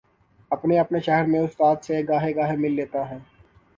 اپنے اپنے شہر میں استاد سے گاہے گاہے مل لیتا ہے۔